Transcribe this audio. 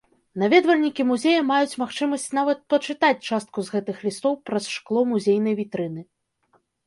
Наведвальнікі музея маюць магчымасць нават пачытаць частку з гэтых лістоў праз шкло музейнай вітрыны.